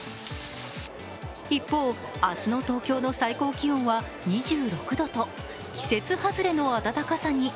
一方、明日の東京の最高気温は２６度と季節外れの暖かさに。